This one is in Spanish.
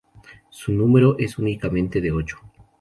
Su número es únicamente de ocho.